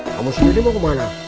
kamu sendiri mau kemana